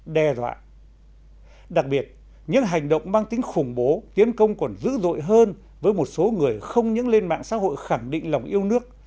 đặc biệt những hành động mang tính khủng bố tiến công còn dữ dội hơn với một số người không những lên mạng xã hội khẳng định lòng yêu nước